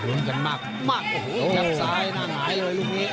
ลุ้นกันมากโอ้โหยับซ้ายหน้าหงายเลยลูกนี้